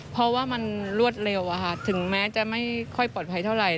เพราะว่ามันรวดเร็วถึงแม้จะไม่ค่อยปลอดภัยเท่าไหร